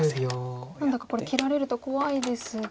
何だかこれ切られると怖いですが。